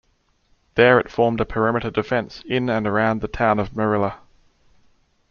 There it formed a perimeter defence in and around the town of Meriller.